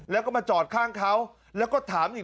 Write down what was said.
แล้วก็มาจอดข้างเขาแล้วก็ถามอีก